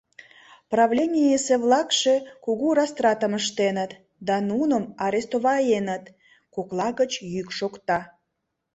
Правленийысе-влакше кугу растратым ыштеныт да нуным арестоваеныт, — кокла гыч йӱк шокта.